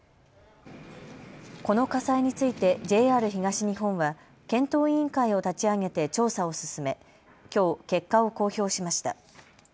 この火災についてＪＲ東日本は検討委員会を立ち上げて調査を進めきょう結果を公表しました。